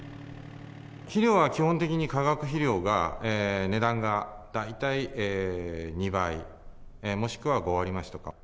肥料は基本的に、化学肥料が、値段が大体２倍、もしくは５割増しとか。